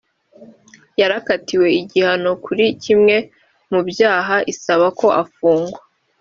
yarakatiwe igihano kuri kimwe mu byaha isaba ko afungwa